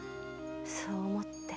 そう思って。